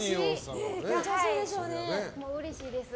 もううれしいです。